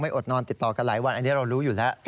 อดนอนติดต่อกันหลายวันอันนี้เรารู้อยู่แล้ว